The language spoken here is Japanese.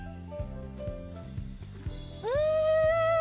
うん！